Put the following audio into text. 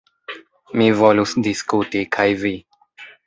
Mi volus diskuti kaj vi.